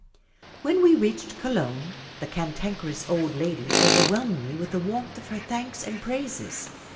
When we reached Cologne, the Cantankerous Old Lady overwhelmed me with the warmth of her thanks and praises.